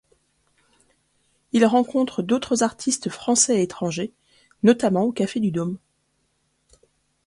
Il rencontre d'autres artistes français et étrangers notamment au Café du Dôme.